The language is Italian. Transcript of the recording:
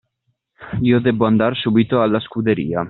Io debbo andar subito alla scuderia.